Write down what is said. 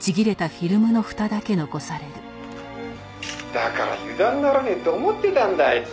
「だから油断ならねえと思ってたんだあいつ」